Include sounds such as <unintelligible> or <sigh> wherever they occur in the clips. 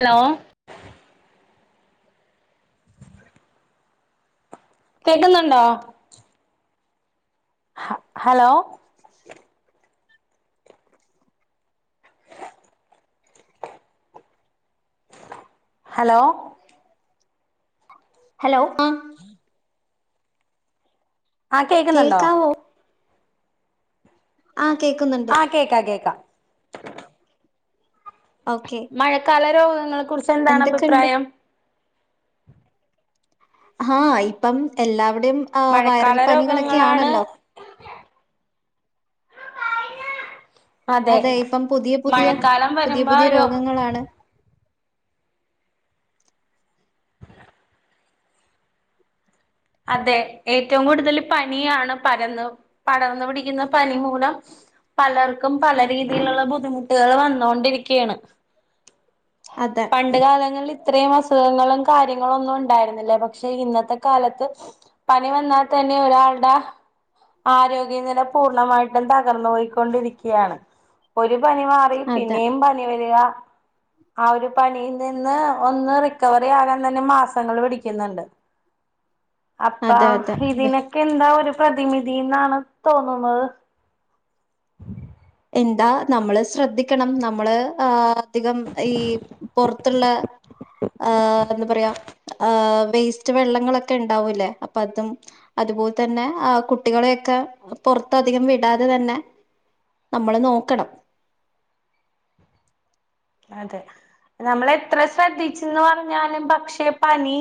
Hello കേക്കുന്നുണ്ടോ ഹ hello hello hello ആഹ് ഉം ആഹ് കേക്ക്ന്ന്ണ്ടോ കേൾക്കാവോ ആഹ് കേക്ക്ന്ന്ണ്ട് കേക്കാ കേക്കാം ഓക്കെ മഴക്കാല രോഗങ്ങളെ കുറിച്ച് എന്താണ് എന്തൊക്കെണ്ട് അഭിപ്രായം ആഹ് ഇപ്പം എല്ലാവ്ടിം ആ വയറൽ മഴക്കാല പനികളൊക്കെ രോഗങ്ങളാണ് ആണല്ലോ. അതെ ഇപ്പം പുതിയ പുതിയ മഴക്കാലം പുതിയ വരുമ്പോ പുതിയ രോ രോഗങ്ങളാണ്. അതെ ഏറ്റവും കൂടുതൽ പനിയാണ് പരന്ന് പടർന്ന് പിടിക്ക്ന്ന പനി മൂലം. പലർക്കും പല രീതിയില്ള്ള ബുദ്ധിമുട്ട്യാള് വന്നൊണ്ടിരിക്ക്യാണ്. അതെ പണ്ട് കാലങ്ങളില് ഇത്രീം അസുഖങ്ങളും കാര്യങ്ങളും ഒന്നും ഉണ്ടായിരുന്നില്ല പക്ഷെ ഇന്നത്തെ കാലത്ത് പനി വന്നാൽ തന്നെ ഒരാൾടെ ആരോഗ്യനില പൂർണ്ണമായിട്ടും തകർന്ന് പോയിക്കൊണ്ടിരിക്ക്യാണ്. ഒരു പനി മാറി അതെ പിന്നെയും പനി വെരാ ആ ഒര് പനിം നിന്ന് ഒന്ന് റിക്കവറി ആകാൻ തന്നെ മാസങ്ങൾ പിടിക്ക്ന്ന്ണ്ട്. അപ്പ അതെ അതെ വെ ഇതിനൊക്കെ എന്താ ഒരു പ്രതിമിതിന്നാണ് തോന്നുന്നത് എന്താ നമ്മള് ശ്രദ്ധിക്കണം നമ്മള് ആ അധികം ഈ പൊറ്ത്ത്ള്ള ആ എന്താ പറയാ ആ വേസ്റ്റ് വെള്ളങ്ങളൊക്കെണ്ടാവൂലേ അപ്പൊ അതും അത്പോലെ തന്നെ ആ കുട്ടികളെയൊക്കെ പൊറ്ത്തധികം വിടാതെ തന്നെ നമ്മള് നോക്കണം. അതെ ന്നമ്മളെ എത്ര ശ്രദ്ധിച്ച്ന്ന് പറഞ്ഞാലും പക്ഷെ പനി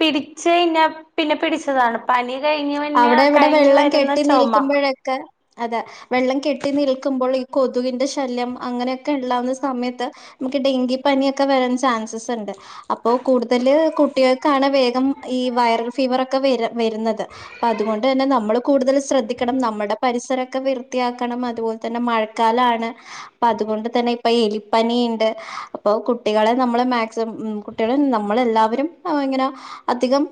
പിടിച്ച് കഴിഞ്ഞാ പിന്നെ പിടിച്ചതാണ് പനി കഴിഞ്ഞ് പിന്നെ കഴിഞ്ഞ് വെര്ന്ന ചൊമ യക്കെ അതെ വെള്ളം കെട്ടി നിൽക്കുമ്പോൾ ഈ കൊതുകിന്റെ ശല്യം അങ്ങനെയൊക്കെള്ളാവുന്ന സമയത്ത്. മ്മക്ക് ഡെങ്കി പനിയൊക്കെ വരാൻ ചാൻസസ്ണ്ട്. അപ്പോ കൂടുതല് കുട്ട്യേള്ക്കാണ് വേഗം ഈ വൈറൽ ഫീവർ ഒക്കെ വെ വെര്ന്നത്. അപ്പതുകൊണ്ടെന്നെ നമ്മള് കൂടുതൽ ശ്രദ്ധിക്കണം ന്നമ്മടെ പരിസരക്കെ വൃത്തിയാക്കണം അതുപോലെ തന്നെ മഴക്കാലാണ്. അപ്പതുകൊണ്ട് തന്നെ ഇപ്പൊ എലിപ്പനീണ്ട് അപ്പൊ കുട്ടികളെ ന്നമ്മള് മാക്സ് മ്മ് കു ട്ട്യേളും നമ്മളെല്ലാവരും ഏ ഇങ്ങനെ അധികം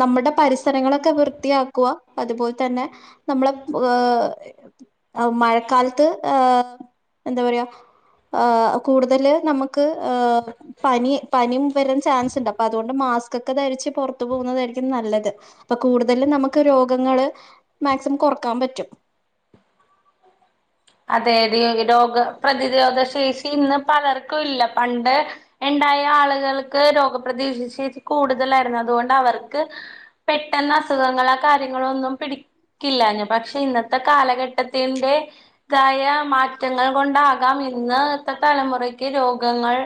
ന്നമ്മടെ പരിസരങ്ങളൊക്കെ വൃ ത്തിയാക്കുവാ അതുപോലെ തന്നെ നമ്മളെ ഏ ഹ് മഴക്കാലത്ത് ഏഹ് എന്താ പറയാ ഏഹ് കൂടുതല് നമ്മക്ക് ഏഹ് പനി പനിം വരാൻ ചാൻസ്ണ്ട് അപ്പൊ അതോണ്ട് മാസ്ക്കോക്കെ ധരിച്ച് പൊറ്ത്ത് പോകുന്നതായിരിക്കും നല്ലത്. അപ്പൊ കൂടുതലും നമുക്ക് രോഗങ്ങള് മാക്സിമം കൊറ്ക്കാൻ പറ്റും. അതെ ടീ രോഗ പ്രതിരോധ ശേഷി ഇന്ന് പലർക്കും ഇല്ല പണ്ട് ഇണ്ടായ ആള്കൾക്ക് രോഗ പ്രതീഷശേഷി കൂടുതലായിരുന്നു അത്കൊണ്ട് അവർക്ക് പെട്ടെന്ന് അസുഖങ്ങളോ കാര്യങ്ങളോന്നും പിടി ക്കില്ല്യാഞ്ഞു പക്ഷെ ഇന്നത്തെ കാലഘട്ടത്തിന്റെ തായ മാറ്റങ്ങൾ കൊണ്ടാകാം ഇന്ന്ത്തെ തലമുറക്ക് രോഗങ്ങൾ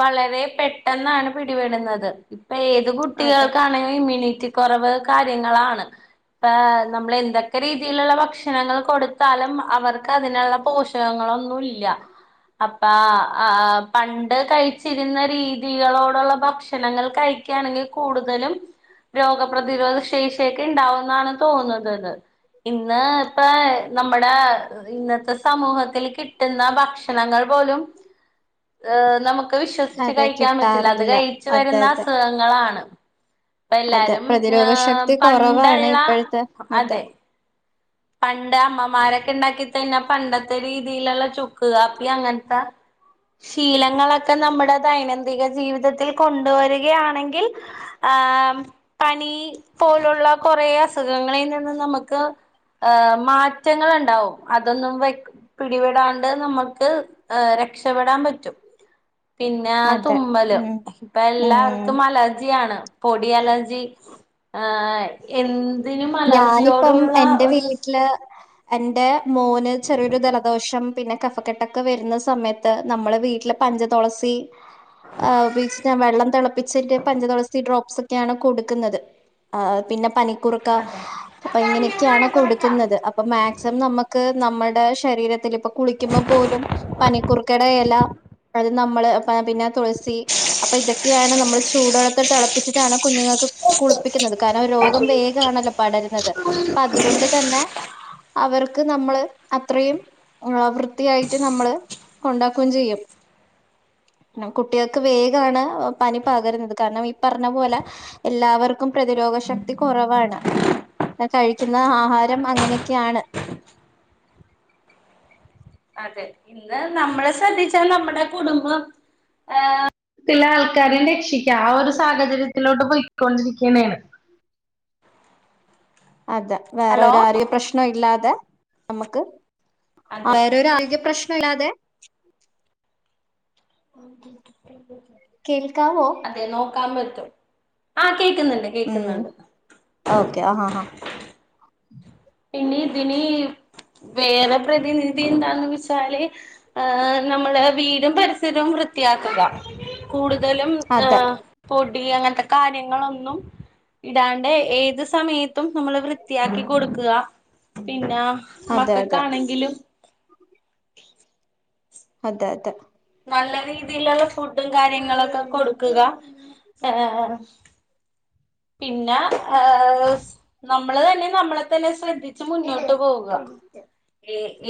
വളരെ പെട്ടെന്നാണ് പിടിപെടുന്നത് ഇപ്പൊ ഏത് അതെ കുട്ടികൾക്കാ ണേ ഇമ്മ്യൂണിറ്റി കൊറവ് കാര്യങ്ങളാണ് ഇപ്പെ നമ്മളെന്തേ ക്കെ രീതില്ള്ള ഭക്ഷണങ്ങൾ കൊടുത്താലും അവർക്ക് അതിനുള്ള പോഷ് കങ്ങളൊന്നുല്ല അപ്പ ആ പണ്ട് കഴിച്ചിര്ന്ന രീതികളോട്ള്ള ഭക്ഷണങ്ങൾ കഴിക്ക്യാണെങ്കിൽ കൂടുതലും. രോഗപ്രതിരോധ ശേഷിയൊക്കെ ഇണ്ടാവുന്നാണ് തോന്നുന്ന്ന്നത്. ഇന്ന് ഇപ്പ നമ്മടെ ഇന്നത്തെ സമൂഹത്തിൽ കിട്ടുന്ന ഭക്ഷണങ്ങൾ പോലും. ഏഹ് നമുക്ക് വിശ്വസിച്ച് അതെ കഴിക്കാൻ പറ്റില്ല അത് കിട്ടാറില്ല കഴിച്ച് അതെ വെരുന്ന അതെ അസുഖങ്ങളാണ്. ഇപ്പ അതെ എല്ലാരും പ്രതിരോധ ഏഹ് ശക്തി കുറവാണ് പണ്ടുള്ള ഇപ്പോഴത്തെ അതെ. പണ്ട് അമ്മമാരൊക്കെ ഇണ്ടാക്കി തന്നാ പണ്ടത്തെ രീതിയിലുള്ള ചുക്ക് കാപ്പി അങ്ങൻത്ത. ശീലങ്ങളൊക്കെ ന്നമ്മടെ ദൈനംദിന ജീവിതത്തിൽ കൊണ്ടുവരികയാണെങ്കിൽ. ആ പനി പോലുള്ള കൊറെ അസുഖങ്ങളിൽ നിന്ന് നമക്ക് ഏ മാറ്റങ്ങള്ണ്ടാവും അതൊന്നും വ പിടിപെടാണ്ട് നമ്മൾ. ക്ക് ഏ രക്ഷപെടാന് പറ്റും. പിന്നെ അതെ തുമ്മല്, ഉം ഇപ്പൊ ഉം എല്ലാവർക്കും അലർജിയാണ്. പൊടി അലർജി ആഹ് എന്തിനും ഞാനിപ്പം അലർജിയോടുള്ള ഒരു. <unintelligible> എന്റെ മോന് ചെറിയൊരു ജലദോഷം പിന്നെ. കഫക്കെട്ടൊക്കെ വരുന്ന സമയത്ത് നമ്മളവീട്ടില് പഞ്ചതുളസി ആഹ് <unintelligible> വെള്ളം തിളപ്പിചിട്ട് പഞ്ചതുളസി ഡ്രോപ്സ് ക്കാണ് കൊടുക്കുന്നത് പിന്നെ പനിക്കുറുക്ക അപ്പ ഇങ്ങനെയൊക്കെയാണ് കൊടു ക്കുന്നത് അപ്പൊ മാക്സിമം നമുക്ക് നമ്മുടെ ശരീരത്തിലപ്പൊ കുളിക്കുമ്പോ പോലും പനിക്കുർക്കട ഇല അത് നമ്മള് പിന്നെ തുളസി അപ്പൊ ഇതൊക്കെയാണ് നമ്മള് ചൂടുള്ളത്തി തളപ്പിച്ചിട്ടാണ് കുഞ്ഞുങ്ങക്ക് കുളിപ്പിക്കുന്നത് കാരണം രോഗം വേ പടരുന്നത് അപ്പതുകൊണ്ട് തന്നെ അവർക്ക് നമ്മള് അത്രയും ആ വൃത്തിയായിട്ട് നമ്മള് കൊണ്ടാക്കും ചെയ്യും. കുട്ടേക്ക് വേഗാണ് പനി പകരുന്നത് കാരണം പറഞ്ഞ പോലെ എല്ലാവർക്കും പ്രതിരോധ ശക്തി കുറവാണ് <inaudible> കഴിക്കുന്ന ആഹാരം അങ്ങനെയൊക്കെയാണ്. അതെ ഇന്ന് നമ്മള് ശ്രദ്ധിച്ചാ നമ്മുടെ കുടുംബം ഏഹ് പിന്നെ ആൾക്കാരേം രക്ഷിക്കാ ആ ഒരു സാഹചര്യത്തിലോട്ട് പോയിക്കൊണ്ടിരിക്കുണേണ് <unintelligible> അതെ വേറെ ഹലോ ഒരാളും പ്രശ്നം ഇല്ലാതെ നമ്മുക്ക് അതെ വേറെ ഒരു ആരോഗ്യ പ്രശ്നല്ലാതെ <unintelligible> കേൾക്കാവോ? അതെ നോക്കാം പറ്റും, ആ കേക്കുന്നുണ്ട്. ഉം, കേക്കുന്നുണ്ട് ഓക്കെ ആഹാഹാ. പിന്നെ ഇതിന് വേറെ പ്രതിനിധി എന്താന്ന് വെച്ചാല് ആഹ് നമ്മളെ വീടും പരിസരവും വൃത്തിയാക്കുക. കൂടുതലും അതെ പൊടി അങ്ങത്ത കാര്യങ്ങളൊന്നും ഇടാണ്ട് ഏത് സമയത്തും നമ്മള് വൃത്തിയാക്കി കൊടുക്കും പിന്നെ അതെ അതെ മക്കക്കാണെങ്കിലും അതെ, അതെ നല്ല രീതിയിലുള്ള ഫുഡും കാര്യങ്ങളൊക്കെ കൊടുക്കുക ഏ. പിന്നെ എസ് നമ്മള് തന്നെ നമ്മളെ തന്നെ ശ്രദ്ധിച്ച് മുന്നോട്ട് പോക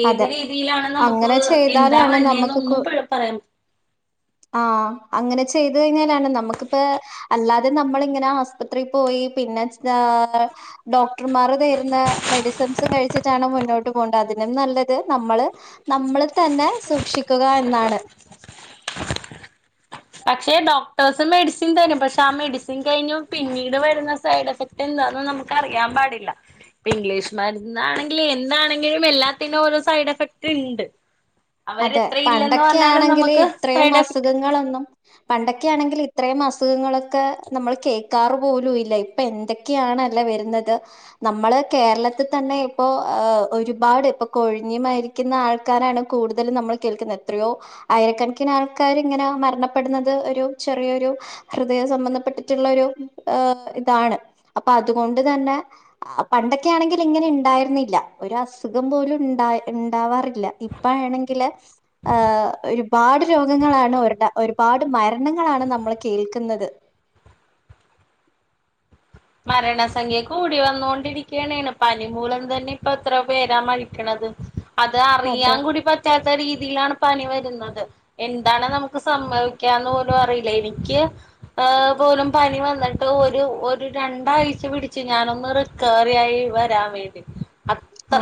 ഏത് അതെ രീതിയിലാണ് നമുക്ക് അങ്ങനെ എന്താ ചെയ്താലാണ് നമുക്ക് വന്നെനൊന്നും പറയാം ആഹ് അങ്ങനെ ചെയ്ത് കഴിഞ്ഞാലാണ് നമ്മുക്കിപ്പ അല്ലാതെ നമ്മളിങ്ങനെ ആസ്പത്രി പോയി പിന്നെ ഡോക്ടർമാര് തരുന്ന മെഡിസിൻസും കഴിച്ചിട്ടാണ് മുന്നോട്ട് പോണ്ടേ അതിനും നല്ല ത് നമ്മള് നമ്മള് തന്നെ സൂക്ഷിക്കുക എന്നാണ് പക്ഷെ ഡോക്ടേഴ്സ് മെഡിസിൻ തരും പക്ഷെ ആ മെഡിസിൻ കഴിഞ്ഞു പിന്നീട് വരുന്ന സൈഡ് എഫക്ട് ന്താന് നമുക്ക് അറിയാം പാടില്ല ഇപ്പൊ ഇംഗ്ലീഷ്മരുന്നാണെങ്കിലും എന്താണെങ്കിലും എല്ലാ തിന് ഓരോ സൈഡ് എഫക്ട് ഉണ്ട്. അതെ പണ്ടൊക്കെയാണെങ്കില് നമുക്ക് ഇത്രയും സൈഡ് എഫക്ട് അസുഖങ്ങളൊന്നും. പണ്ടൊക്കെയാണെങ്കില് ഇത്രയും അസുഖങ്ങളൊക്കെ നമ്മൾ കേക്കാറ് പോലുംഇല്ല. പ്പൊ എന്തൊക്കെയാണല്ല വരുന്നത്. നമ്മള് കേരളത്തിതന്നെ ഇപ്പോ ഒരുപാട് ഇപ്പൊ. കൊഴിഞ്ഞു മരിക്കുന്ന ആൾക്കാരാണ് കൂടുതലും നമ്മൾ കേൾക്കുന് എത്രയോ. ആയിരക്കണക്കിന് ആൾക്കാര്ങ്ങനെ മരണപ്പെടുന്നത് ഒരു ചെറിയൊരു. ഹൃദയം സംബന്ധപ്പെട്ടിട്ടുള്ള ഒരു ഇതാണ് അപ്പൊ അതുകൊണ്ട് തന്നെ. പണ്ടൊക്കെ ആണെങ്കിൽ ഇങ്ങനെ ഇണ്ടായിരുന്നില്ല ഒരു അസുഖം പോലും ഇണ്ടാ ഇണ്ടാവാറില്ല ഇപ്പ ആണെങ്കില് ആഹ് ഒരുപാട് രോഗങ്ങളാണ് ഒരുടെ ഒരുപാട് മരണങ്ങളാണ് നമ്മൾ കേൾക്കുന്നത് മരണസംഖ്യ കൂടി വന്നോണ്ടിരിക്കന്നേണ് പനി മൂലം തന്നെ ഇപ്പൊ എത്ര പേരാ മരി ക്ക്ണത് അതെ അതറിയാൻ കൂടി പറ്റാത്ത രീതിയിലാണ് പനി വരുന്നത് എന്താണ് നമുക്ക് സംഭവിക്കാന്ന് പോലും അറിയില്ല എനിക്ക് ഏഹ് പോലും പനി വന്നിട്ട് ഒരു ഒരു രണ്ടാഴ്ച പിടിച്ചു ഞാനൊന്ന് റിക്കവറിയായി വരാൻ വേണ്ടി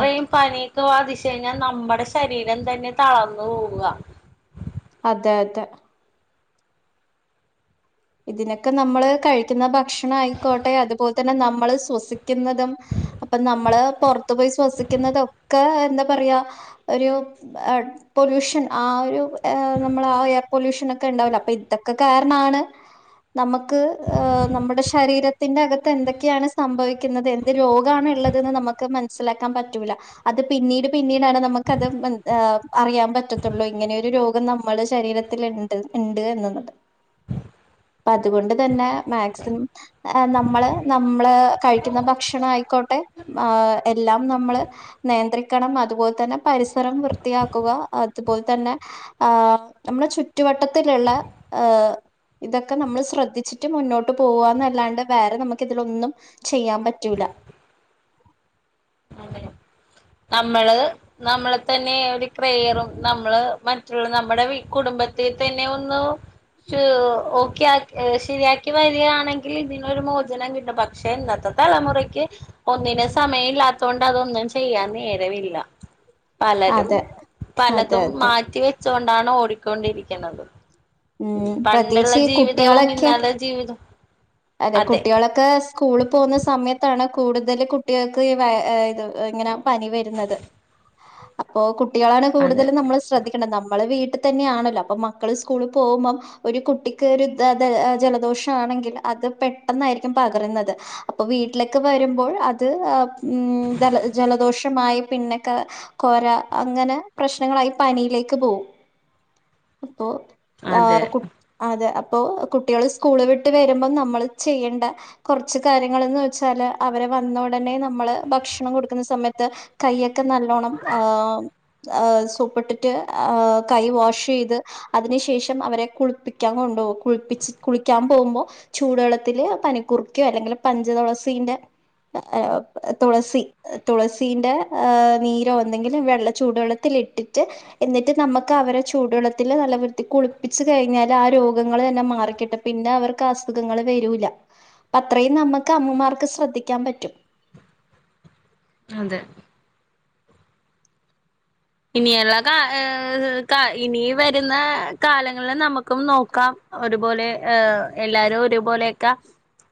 ഓക്കെ പനിയൊക്കെ ബാധിച്ചു കഴിഞ്ഞാൽ നമ്മുടെ ശരീരം തന്നെ തളർന്നു പോവുക അതെ അതെ ഇതിനൊക്കെ നമ്മള് കഴിക്കുന്ന ഭക്ഷണ ആയിക്കോട്ടെ അതുപോലെ തന്നെ നമ്മള് ശ്വസിക്കുന്നതും അപ്പൊ നമ്മള് പൊറത്തു പോയി ശ്വസിക്കുന്നതൊക്കെ എന്താ പറയാ ഒരു <unintelligible> പൊല്യൂഷൻ ആഹ് ഒരു നമ്മൾ ആഹ് എയർ പൊല്യൂഷൻ ഒക്കെ ഇണ്ടാവുലെ അപ്പൊ ഇതൊക്കെ കാരണമാണ് നമുക്ക് നമ്മുടെ ശരീരത്തിന്റെ അകത്ത് എന്തൊക്കെയാണ് സംഭവിക്കുന്നത് എന്ത് രോഗ ഗാണ് ഉള്ളത് എന്ന് നമുക്ക് മനസ്സിലാക്കാൻ പറ്റൂല്ല അത് പിന്നീട് പിന്നീടാണ് നമുക്ക് അത് അറിയാൻ പറ്റള്ളൂത്തൊള്ളു ഇങ്ങനെയരു രോഗം നമ്മുടെ ശരീരത്തി ത്തില്ണ്ട് ഇണ്ട് എന്നുള്ളത് അപ്പൊ അതുകൊണ്ട് തന്നെ അതെ മാക്സിമം നമ്മള് നമ്മള് കഴിക്കുന്ന ഭക്ഷണം ആയിക്കോട്ടെ ആഹ് എല്ലാം നമ്മള് നിയന്ത്രിക്കണം അതുപോലെ തന്നെ പരിസരം വൃത്തിയാക്കുക അതുപോലെ തന്നെ ആഹ് നമ്മുടെ ചുറ്റുവട്ടത്തിലുള്ള ഏഹ ഇതൊക്കെ നമ്മൾ ശ്രദ്ധിച്ചിട്ട് മുന്നോട്ട് പോകുകന്നല്ലാണ്ട് വേറെ നമുക്ക് ഇതിലൊന്നും ചെയ്യാൻ പറ്റൂല അതെ നമ്മള് നമ്മളെ തന്നെ ഒരു ക്രയറും നമ്മള് മറ്റുള്ള നമ്മുടെ വി കുടുംബത്തിൽ തന്നെ ഒന്ന് ച്ചു ഓക്കെ ആക്കി ശരിയാക്കി വരികയാണെങ്കിൽ ഇതിനൊരു മോചനം കിട്ടും പക്ഷെ ഇന്നത്തെ തലമുറക്ക് ഒന്നിനും സമയം ഇല്ലാത്തത് കൊണ്ട് അതൊന്നും ചെയ്യാൻ നേരമില്ല പലരും അതെ അതെ പലതും അതെ മാറ്റിവെ ച്ചൊണ്ടാണ് ഓടിക്കൊണ്ടിരിക്കുന്നത് ഉം പണ്ടുള്ള പ്രത്യേകിച്ച് ഈ ജീവിതവും കുട്ടികളൊക്കെ ഇന്നലെ ജീവിതം അതെ കുട്ടിളേ ഒക്കെ സ്കൂളിൽ പോകുന്ന സമയത്താണ് കൂടുതൽ കുട്ടികൾക്ക് ഈ ഇത് ഇങ്ങനെ പനി വരുന്നത് <inaudible> അപ്പോ കുട്ടികളാണ് അതെ കൂടുതലും നമ്മള് ശ്രദ്ധിക്ക ണ്ടത് നമ്മള്ള വീട്ടിൽ തന്നെ ആണല്ലോ അപ്പൊ മക്കള് സ്കൂളിൽ പോകുമ്പോ ഒരു കുട്ടിക്ക് ഒരു ജലദോഷ ആണെങ്കിൽ അത് പെട്ടന്നായിരിക്കും പകരുന്നത് അപ്പൊ വീട്ടിലേക്ക് വരുമ്പോൾ അത് ജല ജലദോഷമായി പിന്നക്കെ കൊര അങ്ങനെ പ്രശ്നങ്ങളായി പനിയിലേക്ക് പോകും അപ്പൊ അതെ ആഹ് കു അതെ അപ്പൊ കുട്ടികൾ സ്കൂള് വിട്ട് വരുമ്പം നമ്മള് ചെയ്യേണ്ട കുറച്ച് കാര്യങ്ങള് എന്ന് വെച്ചാല് അവരെ വന്ന ഉടനെ നമ്മള് ഭക്ഷണം കൊടുക്കുന്ന സമയത്ത് കയ്യൊക്കെ നല്ലോണം ആഹ് ആഹ് സോപ്പിട്ടിട്ട് ആ കൈ വാഷ് ചെയ്ത് അതിനു ശേഷം അവരെ കുളിപ്പിക്കാൻ കൊണ്ടുപോവും കുളിപ്പിച്ച് കുളിക്കാൻ പോകുമ്പോ ചൂടുവെള്ളത്തില് പനികൂർക്കയോ അല്ലെങ്കിൽ പഞ്ചതുളസിന്റെ തുളസി തുളസീന്റെ നീരോ എന്തെങ്കിലും വെള്ള ചൂടുവെള്ളത്തിൽ ഇട്ടിട്ട് എന്നിട്ട് നമ്മുക്ക് അവരെ ചൂടുവെള്ളത്തിൽ നല്ല വൃത്തി കുളിപ്പിച്ച് കഴിഞ്ഞാൽ ആ രോഗങ്ങള് തന്നെ മാറിക്കിട്ടും പിന്നെ അവർക്ക് അസുഖങ്ങൾ വരൂല്ല അപ്പ അത്രേയും നമ്മുക്ക് അമ്മമാർക്ക് ശ്രദ്ധിക്കാൻ പറ്റും അതെ ഇനിയുള്ള കാ ഏ ഇനി വരുന്ന കാലങ്ങളിൽ നമുക്കും നോക്കാം ഒരുപോലെ എല്ലാരും ഒരുപോലെയൊക്കെ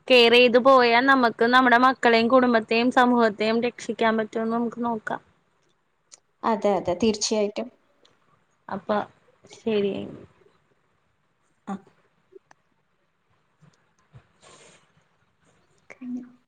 കെയർ ചെയ്തു പോയാൽ നമുക്ക് നമ്മുടെ മക്കളെയും കുടുംബത്തെയും സമൂഹത്തെയും രക്ഷിക്കാൻ പറ്റും മറ്റന്ന് നമുക്ക് നോക്കാം അതെ അതെ തീർച്ചയായിട്ടും അപ്പാ ശരിയെ ആഹ <unintelligible>